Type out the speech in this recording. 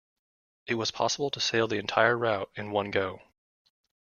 It was possible to sail the entire route in one go.